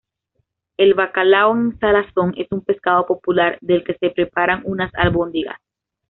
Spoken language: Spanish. El bacalao en salazón es un pescado popular, del que se preparan unas albóndigas.